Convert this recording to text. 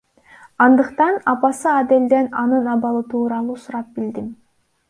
Андыктан апасы Аделден анын акыбалы тууралуу сурап билдим.